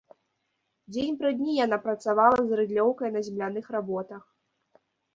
Дзень пры дні яна працавала з рыдлёўкай на земляных работах.